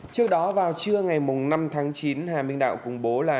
trước đó vào trưa ngày năm tháng chín hà minh đạo cùng bố là